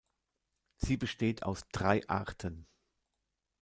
Sie besteht aus drei Arten.